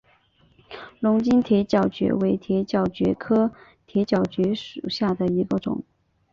龙津铁角蕨为铁角蕨科铁角蕨属下的一个种。